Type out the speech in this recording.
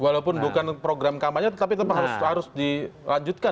walaupun bukan program kampanye tapi tetap harus dilanjutkan